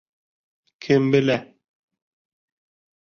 Кем белә.